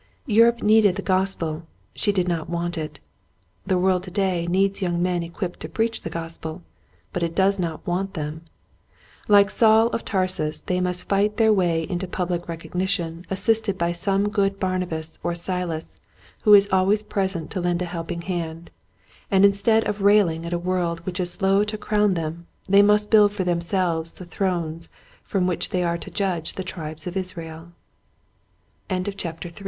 Europe needed the Gospel — she did not want it. The world to day needs young men equipped to preach the Gospel, but it does not want them. Like Saul of Tarsus they must fight their way into public recog nition assisted by some good Barnabas or Silas who is always present to lend a help ing hand, and instead of railing at a world which is slow to crown them they must build for themselves the thrones